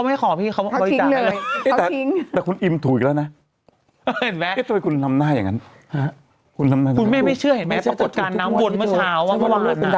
หญิงต่อการน้ำบนเมื่อเช้าฮวันนั้น